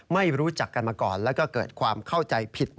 ไม่รู้จักกันมาก่อนแล้วก็เกิดความเข้าใจผิด